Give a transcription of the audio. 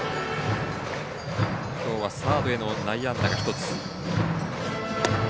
きょうはサードへの内野安打が１つ。